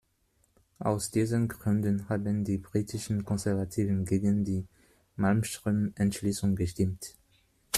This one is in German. Aus diesen Gründen haben die britischen Konservativen gegen die Malmström-Entschließung gestimmt.